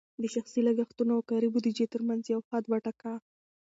د شخصي لګښتونو او کاري بودیجې ترمنځ دې یو حد وټاکه.